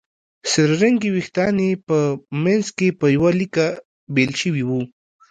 سره رنګي وېښتان یې په منځ کې په يوه ليکه بېل شوي وو